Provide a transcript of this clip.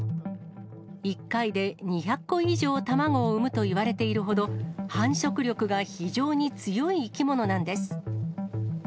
１回で２００個以上卵を産むといわれているほど、繁殖力が非常に強い生き物なんです。